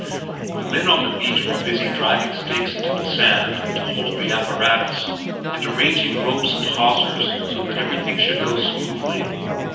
The men on the beach were busy driving stakes into the sand to hold the apparatus, and arranging ropes and hawsers so that everything should go smoothly.